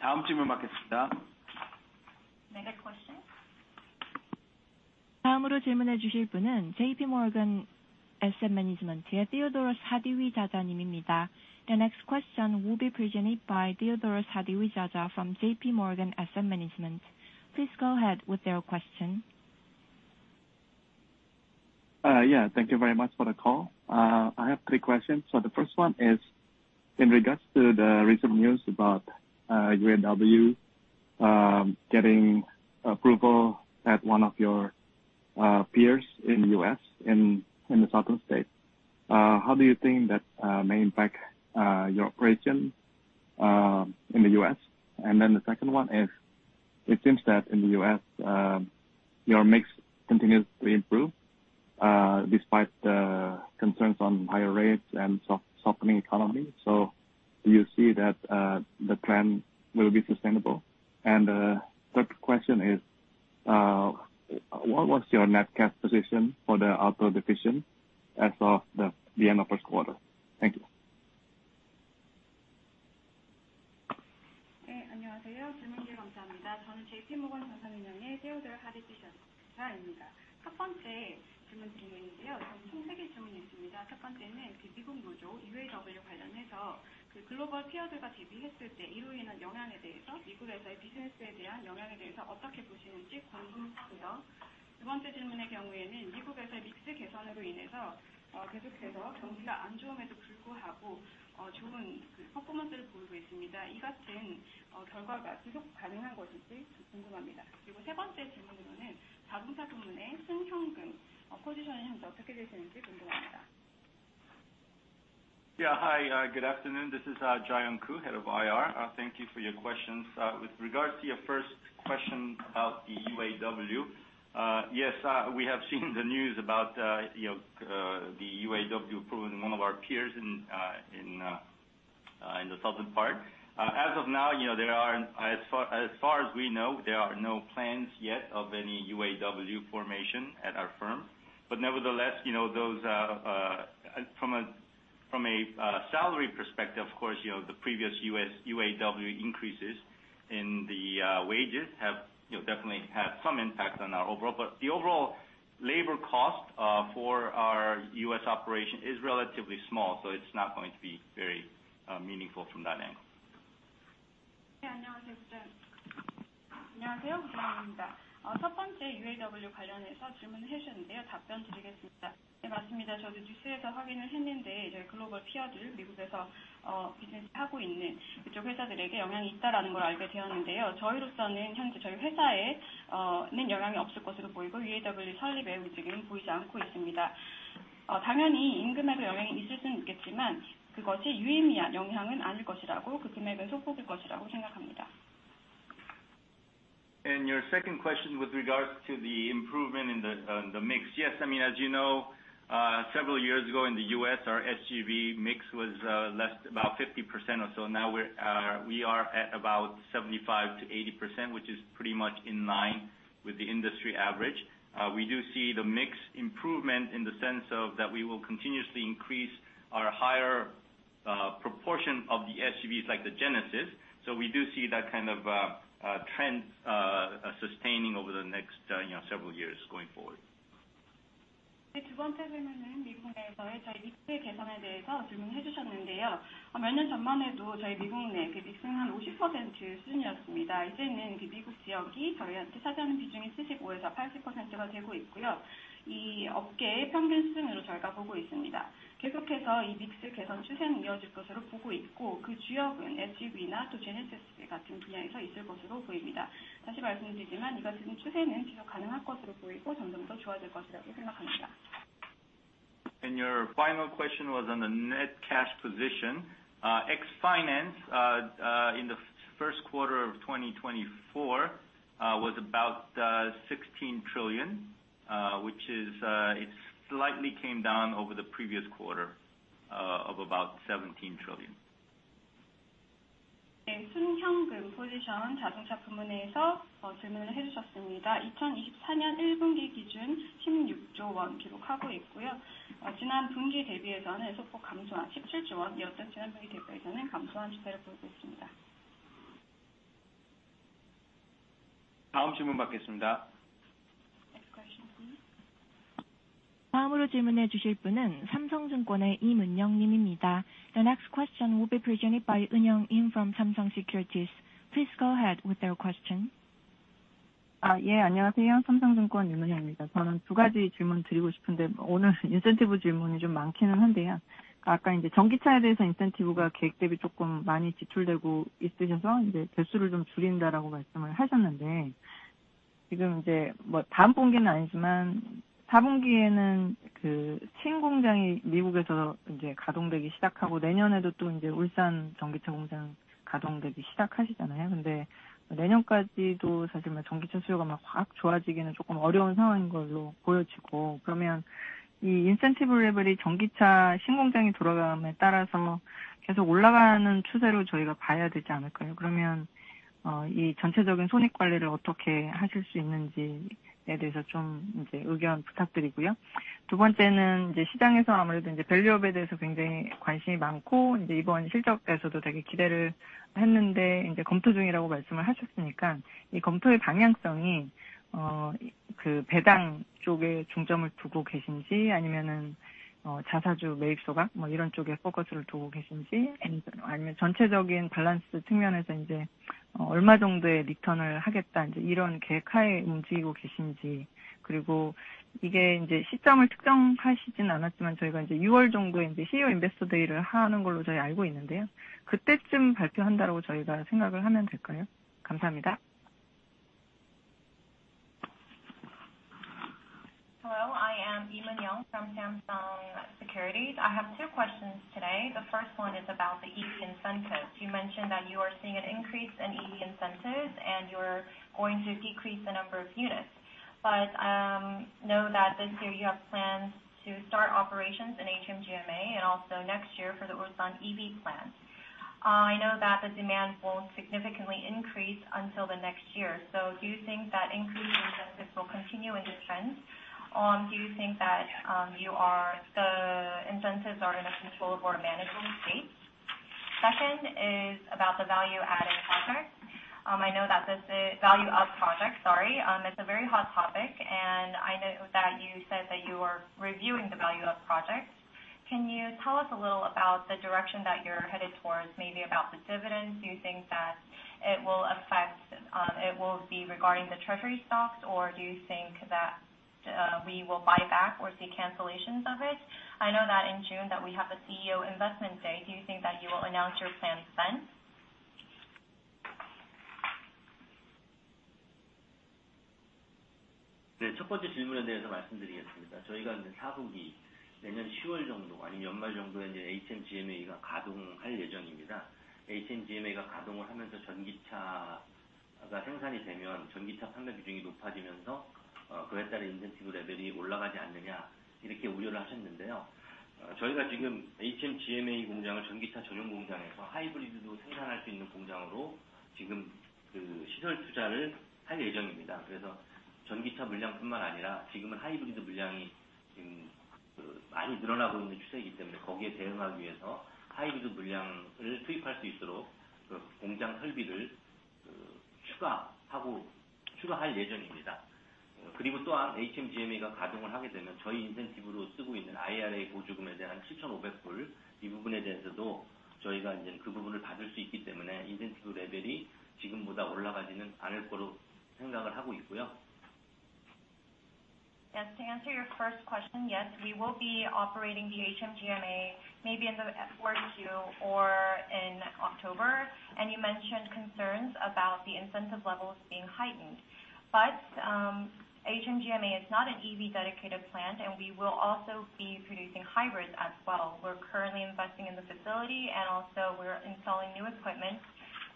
다음 질문 받겠습니다. Next question. 다음으로 질문해 주실 분은 JP모건 애셋매니지먼트의 Theodorous Hadiwijaja 님입니다. Your next question will be presented by Theodorous Hadiwijaja from JP Morgan Asset Management. Please go ahead with your question. Yeah. Thank you very much for the call. I have three questions. So the first one is in regards to the recent news about UAW getting approval at one of your peers in the U.S., in the southern state. How do you think that may impact your operation in the U.S.? And then the second one is it seems that in the U.S., your mix continues to improve despite the concerns on higher rates and softening economy. So do you see that the trend will be sustainable? And the third question is what was your net cash position for the auto division as of the end of Q1? Thank you. 안녕하세요. 질문 주셔서 감사합니다. 저는 JP Morgan Asset Management의 Theodorous Hadiwijaja입니다. 첫 번째 질문 드리겠는데요. 총세개 질문이 있습니다. 첫 번째는 미국 노조 UAW 관련해서 글로벌 피어들과 대비했을 때 이로 인한 영향에 대해서, 미국에서의 비즈니스에 대한 영향에 대해서 어떻게 보시는지 궁금하고요. 두 번째 질문의 경우에는 미국에서의 믹스 개선으로 인해서 계속해서 경기가 안 좋음에도 불구하고 좋은 퍼포먼스를 보이고 있습니다. 이 같은 결과가 지속 가능한 것인지 궁금합니다. 그리고 세 번째 질문으로는 자동차 부문의 순현금 포지션은 현재 어떻게 되시는지 궁금합니다. Yeah. Hi. Good afternoon. This is JaeHwan Kim, head of IR. Thank you for your questions. With regards to your first question about the UAW, yes, we have seen the news about the UAW approval in one of our peers in the southern part. As of now, as far as we know, there are no plans yet of any UAW formation at our firm. But nevertheless, from a salary perspective, of course, the previous UAW increases in the wages have definitely had some impact on our overall. But the overall labor cost for our U.S. operation is relatively small, so it's not going to be very meaningful from that angle. 네. 안녕하세요. 그다음입니다. 첫 번째 UAW 관련해서 질문을 해주셨는데요. 답변 드리겠습니다. 네, 맞습니다. 저도 뉴스에서 확인을 했는데 저희 글로벌 피어들, 미국에서 비즈니스 하고 있는 그쪽 회사들에게 영향이 있다라는 걸 알게 되었는데요. 저희로서는 현재 저희 회사에는 영향이 없을 것으로 보이고 UAW 설립의 움직임은 보이지 않고 있습니다. 당연히 임금에도 영향이 있을 수는 있겠지만 그것이 유의미한 영향은 아닐 것이라고 그 금액은 소폭일 것이라고 생각합니다. Your second question with regards to the improvement in the mix. Yes. I mean, as you know, several years ago in the U.S., our SUV mix was about 50% or so. Now we are at about 75%-80%, which is pretty much in line with the industry average. We do see the mix improvement in the sense of that we will continuously increase our higher proportion of the SUVs like the Genesis. So we do see that kind of trend sustaining over the next several years going forward. 네. 두 번째 질문은 미국 내에서의 저희 믹스의 개선에 대해서 질문해 주셨는데요. 몇년 전만 해도 저희 미국 내 믹스는 한 50% 수준이었습니다. 이제는 미국 지역이 저희한테 차지하는 비중이 75%-80%가 되고 있고요. 이 업계의 평균 수준으로 저희가 보고 있습니다. 계속해서 이 믹스 개선 추세는 이어질 것으로 보고 있고, 그 주역은 SUV나 또 Genesis 같은 분야에서 있을 것으로 보입니다. 다시 말씀드리지만 이 같은 추세는 지속 가능할 것으로 보이고 점점 더 좋아질 것이라고 생각합니다. Your final question was on the net cash position. Ex-finance in the Q1 of 2024 was about 16 trillion, which it slightly came down over the previous quarter of about 17 trillion. 네. 순현금 포지션 자동차 부문에서 질문을 해주셨습니다. 2024년 1분기 기준 16 trillion 기록하고 있고요. 지난 분기 대비해서는 소폭 감소한 17 trillion이었던 지난 분기 대비해서는 감소한 추세를 보이고 있습니다. 다음 질문 받겠습니다. Next question, please. 다음으로 질문해 주실 분은 삼성증권의 임은영 님입니다. Your next question will be presented by Eun-young Im from Samsung Securities. Please go ahead with your question. 예. 안녕하세요. 삼성증권 임은영입니다. 저는 두 가지 질문을 드리고 싶은데, 오늘 인센티브 질문이 좀 많기는 한데요. 아까 전기차에 대해서 인센티브가 계획 대비 조금 많이 지출되고 있으셔서 개수를 좀 줄인다고 말씀을 하셨는데, 지금 다음 분기는 아니지만 4분기에는 신공장이 미국에서 가동되기 시작하고 내년에도 또 울산 전기차 공장 가동되기 시작하시잖아요. 근데 내년까지도 사실 전기차 수요가 확 좋아지기는 조금 어려운 상황인 걸로 보여지고, 그러면 이 인센티브 레벨이 전기차 신공장이 돌아감에 따라서 계속 올라가는 추세로 저희가 봐야 되지 않을까요? 그러면 이 전체적인 손익 관리를 어떻게 하실 수 있는지에 대해서 좀 의견 부탁드리고요. 두 번째는 시장에서 아무래도 밸류업에 대해서 굉장히 관심이 많고 이번 실적에서도 되게 기대를 했는데 검토 중이라고 말씀을 하셨으니까, 이 검토의 방향성이 배당 쪽에 중점을 두고 계신지 아니면 자사주 매입 소각 이런 쪽에 포커스를 두고 계신지, 아니면 전체적인 밸런스 측면에서 얼마 정도의 리턴을 하겠다 이런 계획하에 움직이고 계신지, 그리고 이게 시점을 특정하시진 않았지만 저희가 6월 정도에 CEO 인베스터 데이를 하는 걸로 저희 알고 있는데요. 그때쯤 발표한다라고 저희가 생각을 하면 될까요? 감사합니다. Hello. I am Eun-young Im from Samsung Securities. I have two questions today. The first one is about the EV incentives. You mentioned that you are seeing an increase in EV incentives and you're going to decrease the number of units. But I know that this year you have plans to start operations in HMGMA and also next year for the Ulsan EV plant. I know that the demand won't significantly increase until the next year. So do you think that increased incentives will continue in this trend? Do you think that you are the incentives are in a control or management state? Second is about the value-added project. I know that this is value-up project, sorry. It's a very hot topic, and I know that you said that you are reviewing the value-up project. Can you tell us a little about the direction that you're headed towards, maybe about the dividends? Do you think that it will affect it will be regarding the treasury stocks, or do you think that we will buy back or see cancellations of it? I know that in June that we have the CEO Investment Day. Do you think that you will announce your plans then? 첫 번째 질문에 대해서 말씀드리겠습니다. 저희가 4분기, 내년 10월 정도 아니면 연말 정도에 HMGMA가 가동할 예정입니다. HMGMA가 가동을 하면서 전기차가 생산이 되면 전기차 판매 비중이 높아지면서 그에 따른 인센티브 레벨이 올라가지 않느냐 이렇게 우려를 하셨는데요. 저희가 지금 HMGMA 공장을 전기차 전용 공장에서 하이브리드도 생산할 수 있는 공장으로 지금 시설 투자를 할 예정입니다. 그래서 전기차 물량뿐만 아니라 지금은 하이브리드 물량이 많이 늘어나고 있는 추세이기 때문에 거기에 대응하기 위해서 하이브리드 물량을 투입할 수 있도록 공장 설비를 추가할 예정입니다. 그리고 또한 HMGMA가 가동을 하게 되면 저희 인센티브로 쓰고 있는 IRA 보조금에 대한 $7,500 이 부분에 대해서도 저희가 그 부분을 받을 수 있기 때문에 인센티브 레벨이 지금보다 올라가지는 않을 거로 생각을 하고 있고요. Yes. To answer your first question, yes, we will be operating the HMGMA maybe in the fourth Q or in October. You mentioned concerns about the incentive levels being heightened. HMGMA is not an EV dedicated plant, and we will also be producing hybrids as well. We're currently investing in the facility, and also we're installing new equipment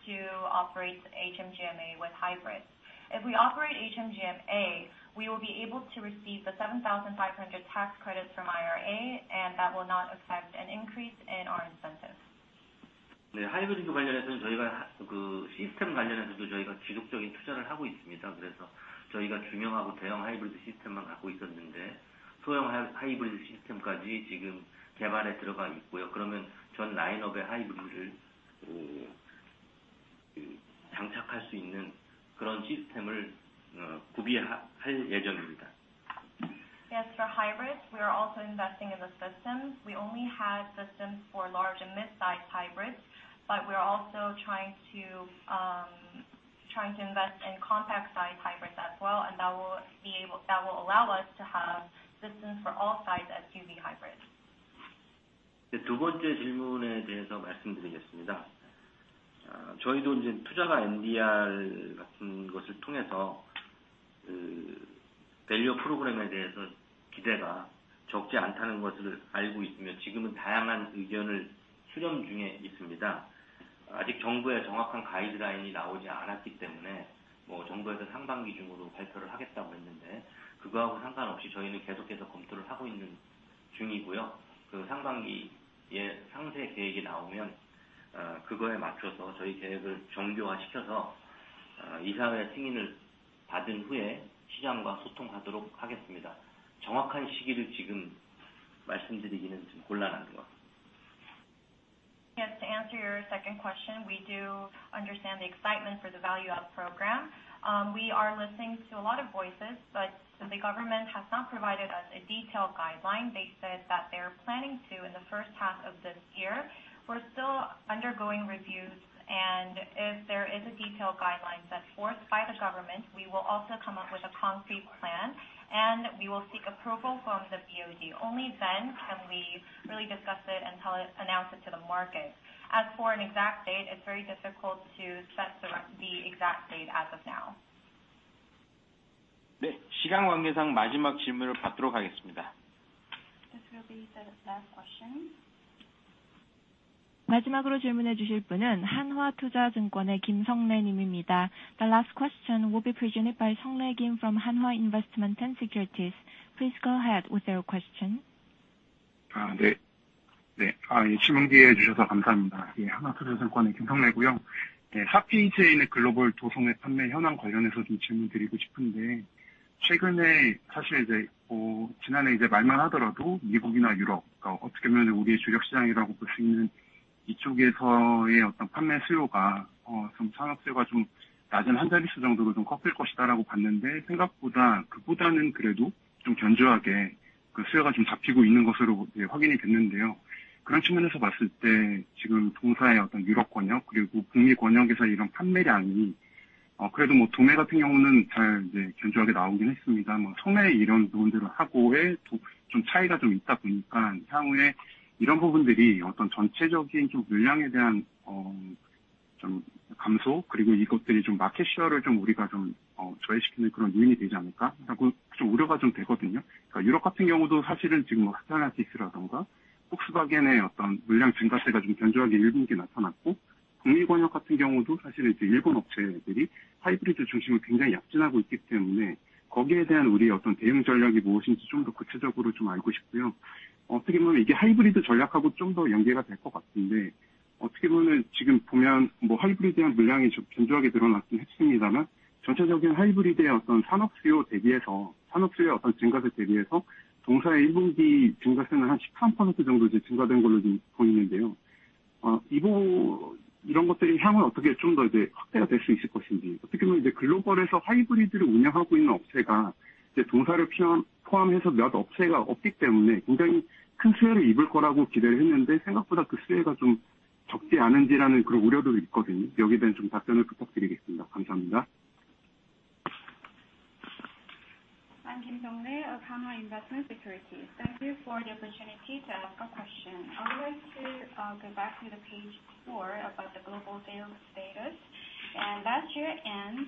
to operate HMGMA with hybrids. If we operate HMGMA, we will be able to receive the $7,500 tax credits from IRA, and that will not affect an increase in our incentives. 하이브리드 관련해서는 저희가 시스템 관련해서도 저희가 지속적인 투자를 하고 있습니다. 그래서 저희가 중형하고 대형 하이브리드 시스템만 갖고 있었는데 소형 하이브리드 시스템까지 지금 개발에 들어가 있고요. 그러면 전 라인업에 하이브리드를 장착할 수 있는 그런 시스템을 구비할 예정입니다. Yes. For hybrids, we are also investing in the systems. We only had systems for large and midsize hybrids, but we are also trying to invest in compact-size hybrids as well, and that will allow us to have systems for all size SUV hybrids. 두 번째 질문에 대해서 말씀드리겠습니다. 저희도 투자가 NDR 같은 것을 통해서 밸류업 프로그램에 대해서 기대가 적지 않다는 것을 알고 있으며 지금은 다양한 의견을 수렴 중에 있습니다. 아직 정부의 정확한 가이드라인이 나오지 않았기 때문에 정부에서 상반기 중으로 발표를 하겠다고 했는데 그거하고 상관없이 저희는 계속해서 검토를 하고 있는 중이고요. 상반기에 상세 계획이 나오면 그거에 맞춰서 저희 계획을 정교화시켜서 이사회 승인을 받은 후에 시장과 소통하도록 하겠습니다. 정확한 시기를 지금 말씀드리기는 좀 곤란한 것 같습니다. Yes. To answer your second question, we do understand the excitement for the Value-Up Program. We are listening to a lot of voices, but since the government has not provided us a detailed guideline, they said that they're planning to in the first half of this year. We're still undergoing reviews, and if there is a detailed guideline set forth by the government, we will also come up with a concrete plan, and we will seek approval from the BOD. Only then can we really discuss it and announce it to the market. As for an exact date, it's very difficult to set the exact date as of now. 시간 관계상 마지막 질문을 받도록 하겠습니다. This will be the last question. 마지막으로 질문해 주실 분은 한화투자증권의 김성래 님입니다. The last question will be presented by Seung-rae Kim from Hanwha Investment and Securities. Please go ahead with your question. 네. 질문 기회 주셔서 감사합니다. 한화투자증권의 김성래고요. 4페이지에 있는 글로벌 도소매 판매 현황 관련해서 좀 질문드리고 싶은데, 최근에 사실 지난해 말만 하더라도 미국이나 유럽, 어떻게 보면 우리의 주력 시장이라고 볼수 있는 이쪽에서의 어떤 판매 수요가 산업 수요가 좀 낮은 한자리 수 정도로 좀 꺾일 것이다라고 봤는데, 생각보다 그보다는 그래도 좀 견조하게 수요가 좀 잡히고 있는 것으로 확인이 됐는데요. 그런 측면에서 봤을 때 지금 동사의 어떤 유럽 권역 그리고 북미 권역에서의 이런 판매량이 그래도 도매 같은 경우는 잘 견조하게 나오긴 했습니다. 소매 이런 부분들을 하고의 차이가 좀 있다 보니까 향후에 이런 부분들이 어떤 전체적인 물량에 대한 감소, 그리고 이것들이 마켓 쉐어를 우리가 저해시키는 그런 요인이 되지 않을까라고 우려가 좀 되거든요. 유럽 같은 경우도 사실은 지금 스텔란티스라든가 폭스바겐의 물량 증가세가 견조하게 1분기에 나타났고, 북미 권역 같은 경우도 사실은 일본 업체들이 하이브리드 중심을 굉장히 약진하고 있기 때문에 거기에 대한 우리의 어떤 대응 전략이 무엇인지 좀더 구체적으로 알고 싶고요. 어떻게 보면 이게 하이브리드 전략하고 좀더 연계가 될것 같은데, 어떻게 보면 지금 보면 하이브리드의 물량이 견조하게 늘어났긴 했습니다만, 전체적인 하이브리드의 산업 수요 대비해서 산업 수요의 증가세 대비해서 동사의 1분기 증가세는 한 13% 정도 증가된 걸로 보이는데요. 이런 것들이 향후에 어떻게 좀더 확대가 될수 있을 것인지, 어떻게 보면 글로벌에서 하이브리드를 운영하고 있는 업체가 동사를 포함해서 몇 업체가 없기 때문에 굉장히 큰 수혜를 입을 거라고 기대를 했는데, 생각보다 그 수혜가 적지 않은지라는 그런 우려도 있거든요. 여기에 대한 답변을 부탁드리겠습니다. 감사합니다. I'm Seung-rae Kim of Hanwha Investment and Securities. Thank you for the opportunity to ask a question. I would like to go back to page four about the global sales status. Last year end,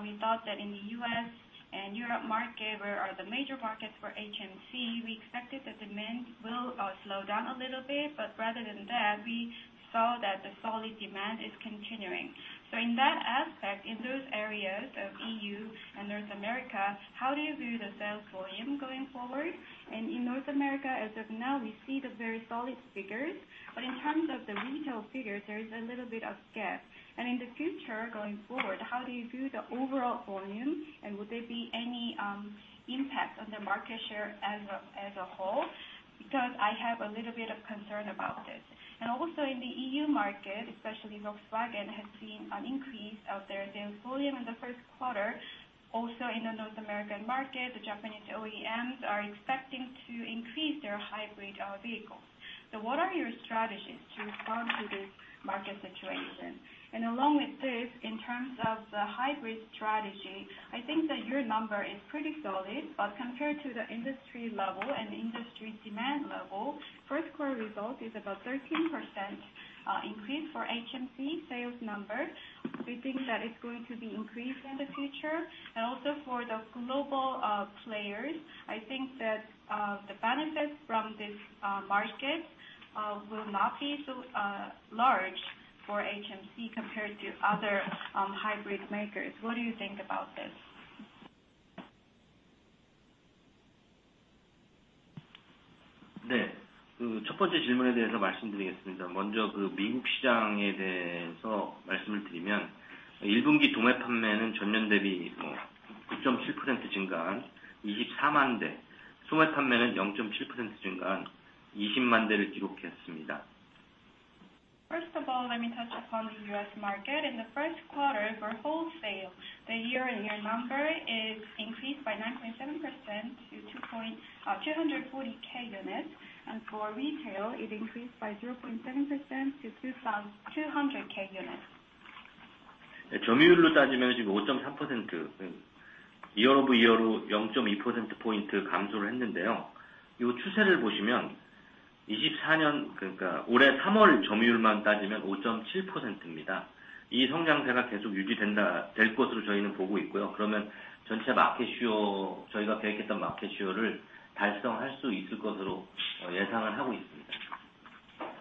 we thought that in the U.S. and Europe market, where are the major markets for HMC, we expected the demand will slow down a little bit. Rather than that, we saw that the solid demand is continuing. In that aspect, in those areas of EU and North America, how do you view the sales volume going forward? In North America, as of now, we see the very solid figures. In terms of the retail figures, there is a little bit of gap. In the future going forward, how do you view the overall volume, and would there be any impact on the market share as a whole? Because I have a little bit of concern about this. Also in the EU market, especially Volkswagen has seen an increase of their sales volume in the Q1. Also in the North American market, the Japanese OEMs are expecting to increase their hybrid vehicles. So what are your strategies to respond to this market situation? Along with this, in terms of the hybrid strategy, I think that your number is pretty solid. But compared to the industry level and industry demand level, Q1 result is about 13% increase for HMC sales number. We think that it's going to be increased in the future. Also for the global players, I think that the benefits from this market will not be so large for HMC compared to other hybrid makers. What do you think about this? 첫 번째 질문에 대해서 말씀드리겠습니다. 먼저 미국 시장에 대해서 말씀을 드리면, 1분기 도매 판매는 전년 대비 9.7% 증가한 240,000대, 소매 판매는 0.7% 증가한 200,000대를 기록했습니다. First of all, let me touch upon the U.S. market. In the Q1, for wholesale, the year-on-year number is increased by 9.7% to 240,000 units. For retail, it increased by 0.7% to 200,000 units. 점유율로 따지면 지금 5.3%, year over year로 0.2%포인트 감소를 했는데요. 이 추세를 보시면 2024년, 그러니까 올해 3월 점유율만 따지면 5.7%입니다. 이 성장세가 계속 유지될 것으로 저희는 보고 있고요. 그러면 전체 마켓 쉐어, 저희가 계획했던 마켓 쉐어를 달성할 수 있을 것으로 예상을 하고 있습니다.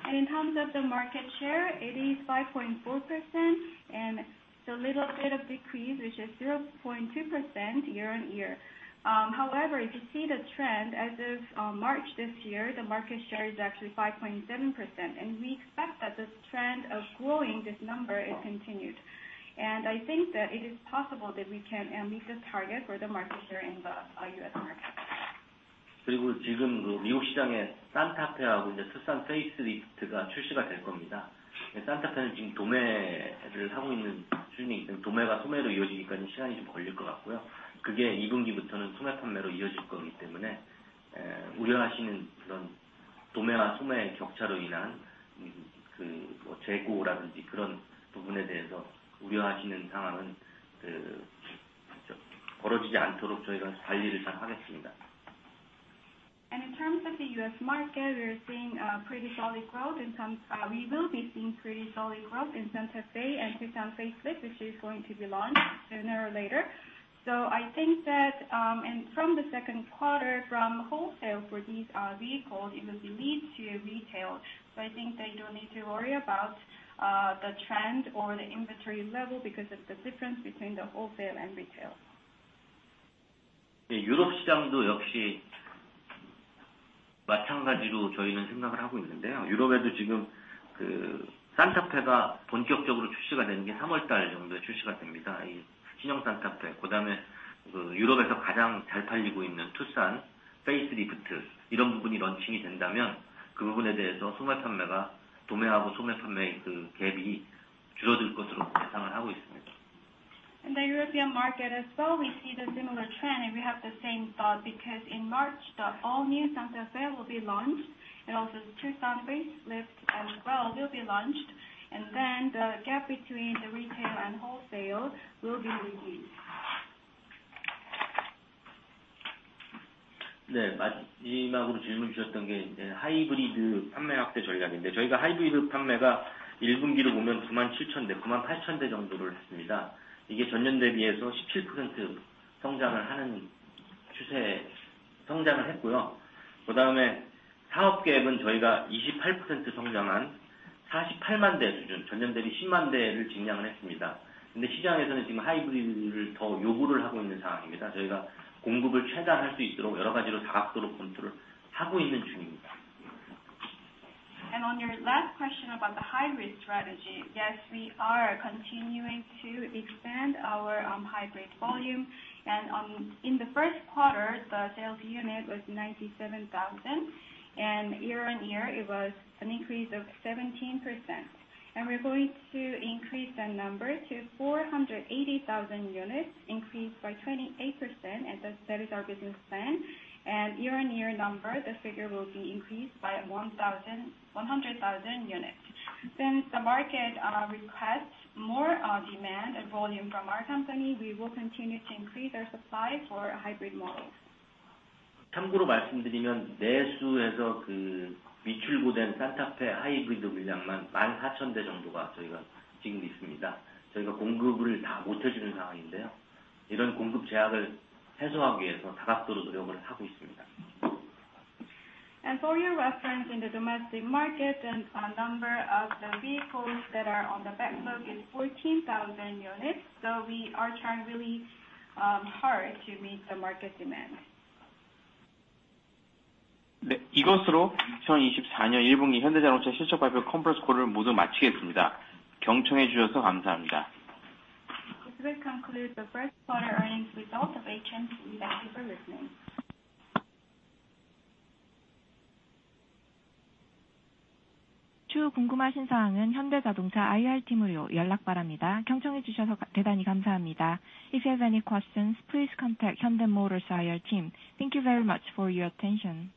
In terms of the market share, it is 5.4% and a little bit of decrease, which is 0.2% year-on-year. However, if you see the trend, as of March this year, the market share is actually 5.7%. We expect that this trend of growing, this number, is continued. I think that it is possible that we can meet the target for the market share in the U.S. market. 지금 미국 시장에 싼타페하고 투싼 페이스리프트가 출시가 될 겁니다. 싼타페는 지금 도매를 하고 있는 수준이기 때문에 도매가 소매로 이어지니까 시간이 좀 걸릴 것 같고요. 그게 2분기부터는 소매 판매로 이어질 거기 때문에 우려하시는 그런 도매와 소매의 격차로 인한 재고라든지 그런 부분에 대해서 우려하시는 상황은 벌어지지 않도록 저희가 관리를 잘 하겠습니다. In terms of the U.S. market, we are seeing pretty solid growth in terms we will be seeing pretty solid growth in Santa Fe and Tucson facelift, which is going to be launched sooner or later. So I think that from the Q2, from wholesale for these vehicles, it will be lead to retail. So I think that you don't need to worry about the trend or the inventory level because of the difference between the wholesale and retail. 유럽 시장도 역시 마찬가지로 저희는 생각을 하고 있는데요. 유럽에도 지금 싼타페가 본격적으로 출시가 되는 게 3월 달 정도에 출시가 됩니다. 신형 싼타페, 그다음에 유럽에서 가장 잘 팔리고 있는 투싼 페이스리프트, 이런 부분이 런칭이 된다면 그 부분에 대해서 소매 판매가 도매하고 소매 판매의 갭이 줄어들 것으로 예상을 하고 있습니다. In the European market as well, we see the similar trend, and we have the same thought because in March, the all-new Santa Fe will be launched. Also the Tucson facelift as well will be launched. Then the gap between the retail and wholesale will be reduced. 마지막으로 질문 주셨던 게 하이브리드 판매 확대 전략인데, 저희가 하이브리드 판매가 1분기로 보면 97,000대, 98,000대 정도를 했습니다. 이게 전년 대비해서 17% 성장을 하는 추세, 성장을 했고요. 그다음에 사업 갭은 저희가 28% 성장한 480,000대 수준, 전년 대비 100,000대를 증량을 했습니다. 근데 시장에서는 지금 하이브리드를 더 요구를 하고 있는 상황입니다. 저희가 공급을 최대한 할수 있도록 여러 가지로 다각도로 검토를 하고 있는 중입니다. On your last question about the high-risk strategy, yes, we are continuing to expand our hybrid volume. In the Q1, the sales unit was 97,000, and year-over-year, it was an increase of 17%. We're going to increase that number to 480,000 units, increased by 28%, and that is our business plan. Year-over-year number, the figure will be increased by 100,000 units. Since the market requests more demand and volume from our company, we will continue to increase our supply for hybrid models. 참고로 말씀드리면, 내수에서 미출고된 싼타페 하이브리드 물량만 14,000대 정도가 저희가 지금 있습니다. 저희가 공급을 다못 해주는 상황인데요. 이런 공급 제약을 해소하기 위해서 다각도로 노력을 하고 있습니다. For your reference, in the domestic market, the number of the vehicles that are on the backlog is 14,000 units. We are trying really hard to meet the market demand. 이것으로 2024년 1분기 현대자동차 실적 발표 컨퍼런스 콜을 모두 마치겠습니다. 경청해 주셔서 감사합니다. This will conclude the Q1 earnings result of HMC. Thank you for listening. 추후 궁금하신 사항은 현대자동차 IR팀으로 연락 바랍니다. 경청해 주셔서 대단히 감사합니다. If you have any questions, please contact Hyundai Motor Company IR team. Thank you very much for your attention.